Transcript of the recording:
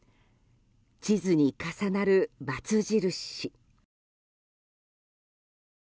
地図に重なる×印。